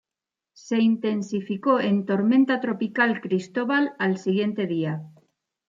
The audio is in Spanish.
Se intensificó en Tormenta tropical Cristobal al siguiente día.